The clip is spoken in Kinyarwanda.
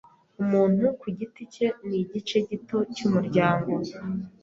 Umuntu ku giti cye nigice gito cyumuryango.